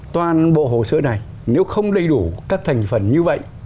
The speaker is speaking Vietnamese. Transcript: toàn bộ hồ sơ này nếu không đầy đủ các thành phần như vậy